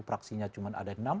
praksinya cuma ada enam